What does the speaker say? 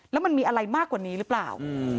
แล้วมันมีอะไรมากกว่านี้หรือเปล่า